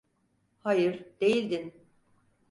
Hayır, değildin.